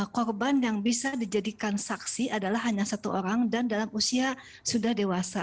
korban yang bisa dijadikan saksi adalah hanya satu orang dan dalam usia sudah dewasa